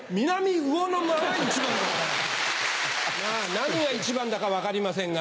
何が一番だか分かりませんが。